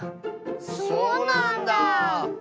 そうなんだ